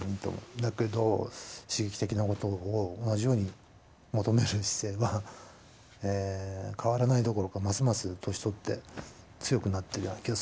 だけど刺激的なことを同じように求める姿勢は変わらないどころかますます年取って強くなってるような気がするんですね２人。